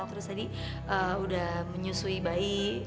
terus tadi udah menyusui bayi